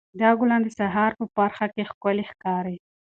دا ګلان د سهار په پرخه کې ښکلي ښکاري.